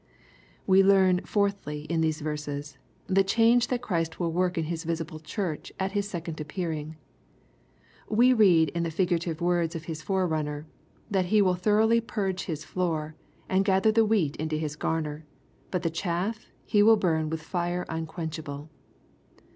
We learn, fourthly, in these verses, the change thai Christ win work in His visible Church at His second appearing. We read in the figurative words of His forerunner, "that he will throughly purge his floor, and gather the wheat into his garner ; but the chaff he will burn with fire unquenchable.''